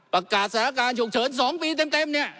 ประกาศสถานการณ์ฉุกเฉิน๒ปีเต็มเนี่ย